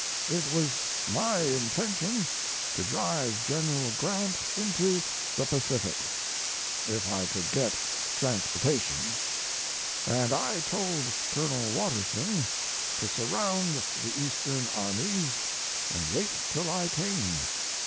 It was my intention to drive General Grant into the Pacific if I could get transportation and I told Colonel Watterson to surround the Eastern armies and wait till I came.